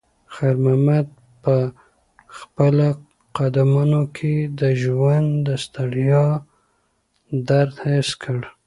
خیر محمد په خپلو قدمونو کې د ژوند د ستړیا درد حس کړ.